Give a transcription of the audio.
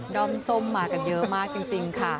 ้อมส้มมากันเยอะมากจริงค่ะ